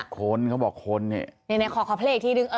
คนเขาบอกคนเนี่ย